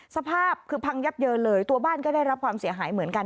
สภาพคือพังยับเยินเลยตัวบ้านก็ได้รับความเสียหายเหมือนกัน